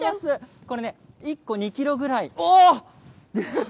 これね、１個２キロぐらい。